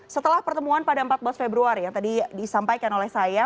setelah pertemuan pada empat belas februari yang tadi disampaikan oleh saya